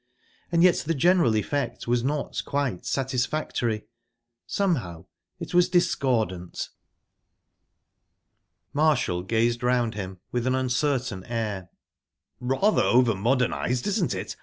And yet the general effect was not quite satisfactory. Somehow, it was discordant... Marshall gazed around him with an uncertain air. "Rather over modernised, isn't it?